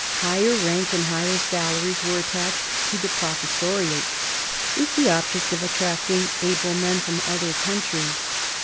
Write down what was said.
Higher rank and higher salaries were attached to the professoriate, with the object of attracting able men from other countries.